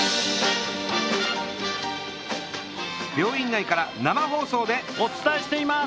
病院内から生放送でお伝えしています！